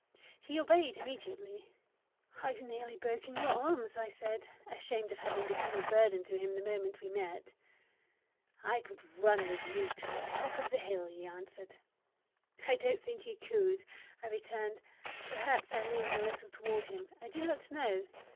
He obeyed immediately. "I've nearly broken your arms," I said, ashamed of having become a burden to him the moment we met. "I could run with you to the top of the hill!" he answered. "I don't think you could," I returned. Perhaps I leaned a little toward him; I do not know.